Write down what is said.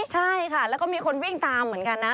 ใช่ค่ะแล้วก็มีคนวิ่งตามเหมือนกันนะ